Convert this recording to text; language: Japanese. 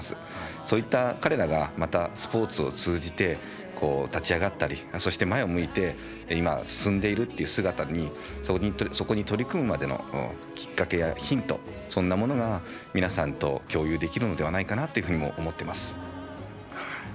そういった彼らがまたスポーツを通じて立ち上がったりそして前を向いて今、進んでいるという姿にそれに取り組むまでのきっかけやヒントそんなものが皆さんと共有できるのではないかと思っています。